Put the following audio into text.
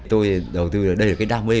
tôi đầu tư ở đây là cái đam mê